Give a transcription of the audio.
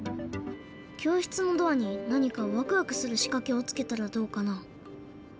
教室のドアに何かワクワクするしかけをつけたらどうかな？